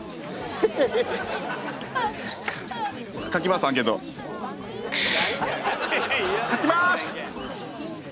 書きまーす！